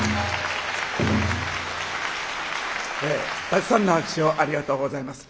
たくさんの拍手をありがとうございます。